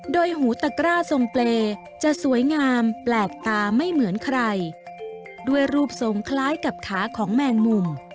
โดยหูตะกร้าทรงเปรย์จะสวยงามแปลกตาไม่เหมือนใครด้วยรูปทรงคล้ายกับขาของแมงมุม